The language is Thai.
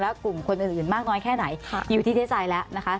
และกลุ่มคนอื่นมากน้อยแค่ไหนอยู่ที่เทใจแล้วนะคะ